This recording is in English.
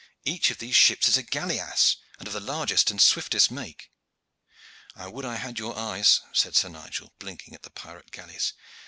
Each of these ships is a galeasse, and of the largest and swiftest make." "I would I had your eyes," said Sir Nigel, blinking at the pirate galleys.